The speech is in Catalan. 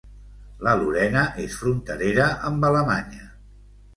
La Lorena és fronterera amb Alemanya.